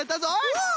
うん！